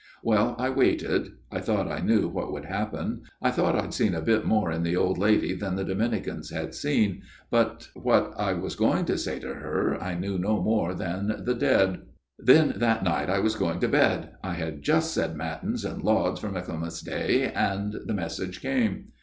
" Well, I waited. I thought I knew what would happen. I thought I had seen a bit more in the old lady than the Dominicans had seen ; but what I was going to say to her I knew no more than the dead. 160 A MIRROR OF SHALOTT " Then, that night as I was going to bed I had just said matins and lauds for Michaelmas day the message came.